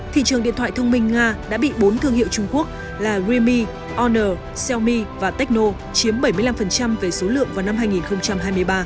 thị trường điện thoại thông minh nga đã bị bốn thương hiệu trung quốc là realme honor xiaomi và tecno chiếm bảy mươi năm về số lượng vào năm hai nghìn hai mươi ba